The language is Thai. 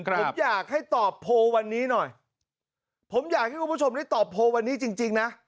ผมอยากให้ตอบโพลวันนี้หน่อยผมอยากให้คุณผู้ชมได้ตอบโพลวันนี้จริงจริงนะ